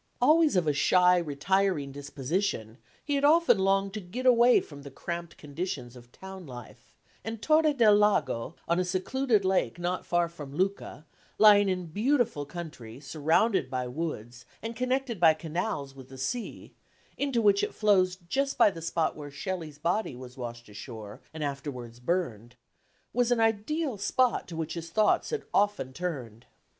Always of a shy, retiring disposition, he had often longed to get away from the cramped conditions of town life, and Torre del Lago, on a secluded lake not far from Lucca, lying in beautiful country, surrounded by woods, and connected by canals with the sea into which it flows just by the spot where Shelley's body was washed ashore and afterwards burned was an ideal spot to which his thoughts had often turned.